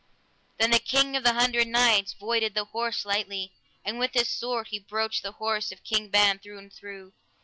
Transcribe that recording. Then the King of the Hundred Knights voided the horse lightly, and with his sword he broached the horse of King Ban through and through.